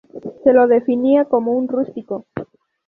Se lo definía como un "rústico".